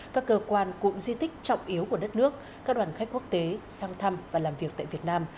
các cơ quan cụm di tích trọng yếu của đất nước các đoàn khách quốc tế sang thăm và làm việc tại việt nam